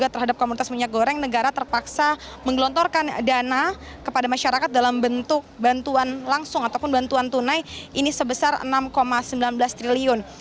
terhadap komunitas minyak goreng negara terpaksa menggelontorkan dana kepada masyarakat dalam bentuk bantuan langsung ataupun bantuan tunai ini sebesar enam sembilan belas triliun